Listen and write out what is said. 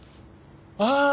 ああ！